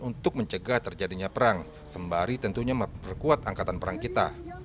untuk mencegah terjadinya perang sembari tentunya memperkuat angkatan perang kita